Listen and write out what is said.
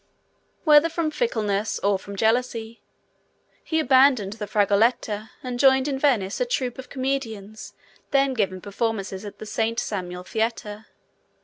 Whether from fickleness or from jealousy, he abandoned the Fragoletta, and joined in Venice a troop of comedians then giving performances at the Saint Samuel Theatre.